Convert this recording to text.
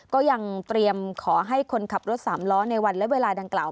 ก็ยังเตรียมขอให้คนขับรถสามล้อในวันและเวลาดังกล่าว